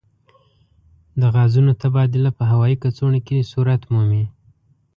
د غازونو تبادله په هوايي کڅوړو کې صورت مومي.